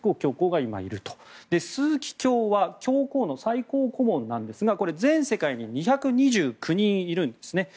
枢機卿は教皇の最高顧問なんですが全世界に２２９人いるんですね。